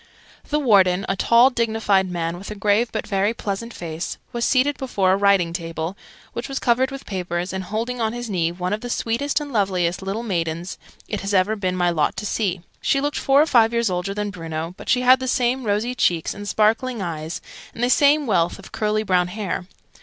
The Warden, a tall dignified man with a grave but very pleasant face, was seated before a writing table, which was covered with papers, and holding on his knee one of the sweetest and loveliest little maidens it has ever been my lot to see. She looked four or five years older than Bruno, but she had the same rosy cheeks and sparkling eyes, and the same wealth of curly brown hair.